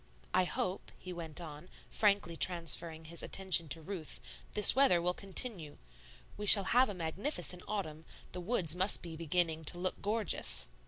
"I hope," he went on, frankly transferring his attention to Ruth, "this weather will continue. We shall have a magnificent autumn; the woods must be beginning to look gorgeous."